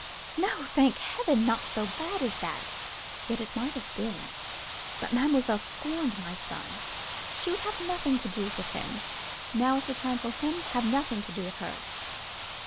—no! thank heaven, not so bad as that! Yet it might have been. But mademoiselle scorned my son! She would have nothing to do with him. Now is the time for him to have nothing to do with her!